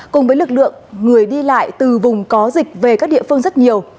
cùng với lực lượng người đi lại từ vùng có dịch về các địa phương rất nhiều